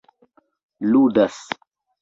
ludas